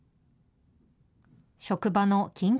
職場の緊急